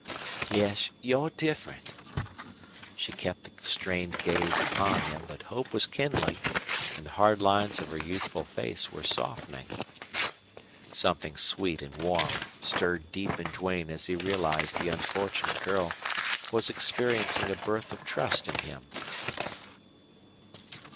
Yes, you're different." She kept the strained gaze upon him, but hope was kindling, and the hard lines of her youthful face were softening. Something sweet and warm stirred deep in Duane as he realized the unfortunate girl was experiencing a birth of trust in him.